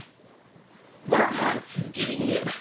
まぁギリギリやな。